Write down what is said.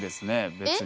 別に。